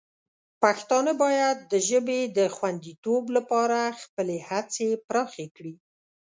پښتانه باید د ژبې د خوندیتوب لپاره خپلې هڅې پراخې کړي.